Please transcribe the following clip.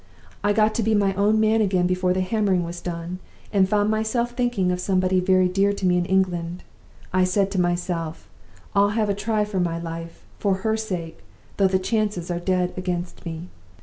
I got to be my own man again before the hammering was done, and found myself thinking of somebody very dear to me in England. I said to myself: 'I'll have a try for my life, for her sake, though the chances are dead against me.